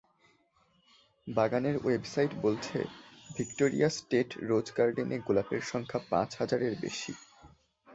বাগানের ওয়েবসাইট বলছে, Victoria State Rose গার্ডেনে গোলাপের সংখ্যা পাঁচ হাজারের বেশি।